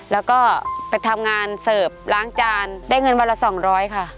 แล้วก็ไปทำงานเสิร์ฟล้างจานได้เงินวันละ๒๐๐ค่ะ